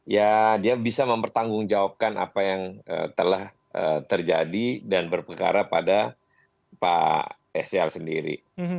ya dia bisa mempertanggungjawabkan apa yang telah terjadi dan berpengara pada pak sel sendiri